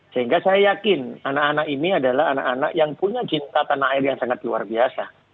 sehingga saya yakin anak anak ini adalah anak anak yang punya cinta tanah air yang sangat luar biasa